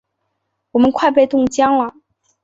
我们快被冻僵了！